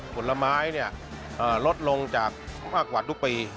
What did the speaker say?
ผลไม้ลดลงจากมากกว่าทุกปี